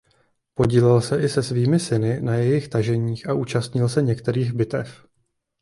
Podílel se i se svými syny na jejich taženích a účastnil se některých bitev.